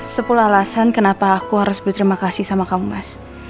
sepuluh alasan kenapa aku harus berterima kasih sama kamu mas